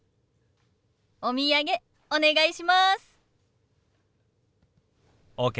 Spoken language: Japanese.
お土産お願いします。ＯＫ。